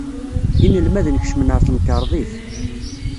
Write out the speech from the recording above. Inelmaden kecmen ɣer temkerḍit.